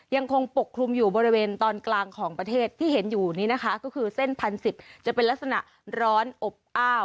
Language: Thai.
ยังคงปกคลุมอยู่บริเวณตอนกลางของประเทศที่เห็นอยู่นี้นะคะก็คือเส้น๑๐๑๐จะเป็นลักษณะร้อนอบอ้าว